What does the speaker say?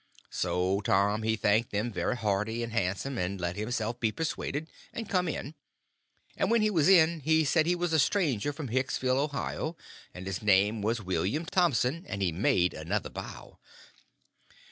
So Tom he thanked them very hearty and handsome, and let himself be persuaded, and come in; and when he was in he said he was a stranger from Hicksville, Ohio, and his name was William Thompson—and he made another bow.